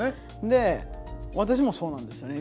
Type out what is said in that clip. で私もそうなんですよね。